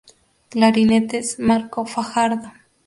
Clarinetes: Marco Fajardo.